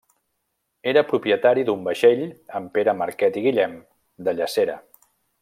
Era propietari d'un vaixell amb Pere Marquet i Guillem de Llacera.